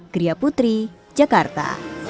gria putri jakarta